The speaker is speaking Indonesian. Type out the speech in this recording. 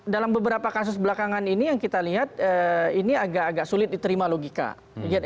dalam beberapa kasus belakangan ini yang kita lihat ini agak agak sulit diterima logika